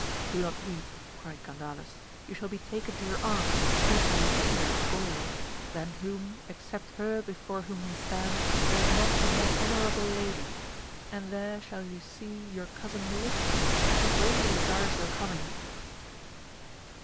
Do not weep, cried AMADIS OF GAUL. 163 Gandales, you shall be taken to your aunt, Queen Elisena of Gaul, than whom, except her before whom we stand, there is not a more honourable lady ; and there shall you see your cousin Melicia, who greatly desires your coming.